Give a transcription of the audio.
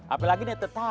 apalagi nih tetangga